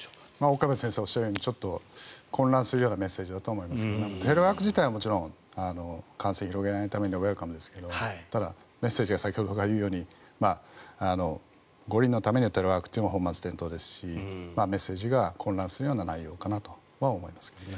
岡部先生がおっしゃるように混乱するメッセージだと思いますがテレワーク自体は、もちろん感染を広げないためにウェルカムですがただ、メッセージが先ほどから言うように五輪のためにテレワークは本末転倒ですしメッセージが混乱するような内容かなとは思いますけどね。